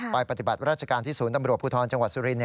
ปฏิบัติราชการที่ศูนย์ตำรวจภูทรจังหวัดสุรินท